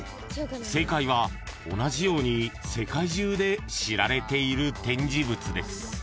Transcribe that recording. ［正解は同じように世界中で知られている展示物です］